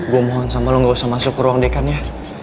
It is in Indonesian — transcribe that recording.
gue mohon sama lo gak usah masuk ke ruang dekan ya